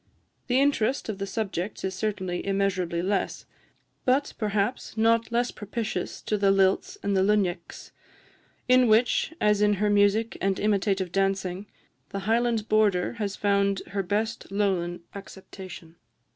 The interest of the subjects is certainly immeasurably less; but, perhaps, not less propitious to the lilts and the luinneags, in which, as in her music and imitative dancing, the Highland border has found her best Lowland acceptation.